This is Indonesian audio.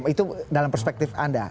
itu dalam perspektif anda